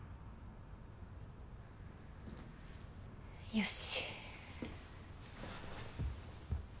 よし。